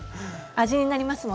味になりますよ。